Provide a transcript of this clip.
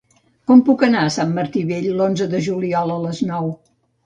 Com puc anar a Sant Martí Vell l'onze de juliol a les nou?